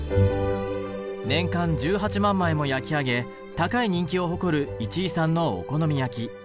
年間１８万枚も焼き上げ高い人気を誇る市居さんのお好み焼き。